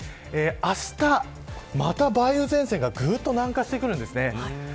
あした、また梅雨前線が南下してくるんです。